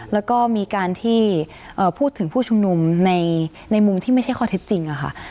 แล้วก็มีการที่พูดถึงผู้ชุมนุมในมุมที่ไม่ใช่ข้อเท็จจริงค่ะ